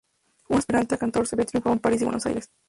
Un aspirante a cantor se ve triunfando en París y Buenos Aires.